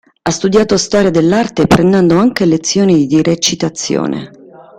Ha studiato storia dell'arte, prendendo anche lezioni di recitazione.